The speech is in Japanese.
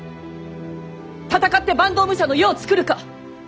戦って坂東武者の世をつくるか。